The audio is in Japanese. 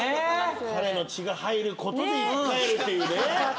彼の血が入ることで生き返るっていうね。